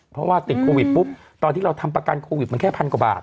เพราะว่าติดโควิดปุ๊บตอนที่เราทำประกันโควิดมันแค่พันกว่าบาท